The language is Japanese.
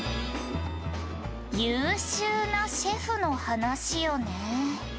「優秀なシェフの話よね」